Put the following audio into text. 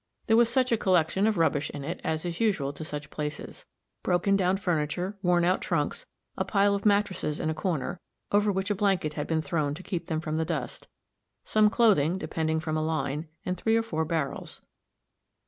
There was such a collection of rubbish in it as is usual to such places broken down furniture, worn out trunks, a pile of mattresses in a corner, over which a blanket had been thrown to keep them from the dust, some clothing depending from a line, and three or four barrels.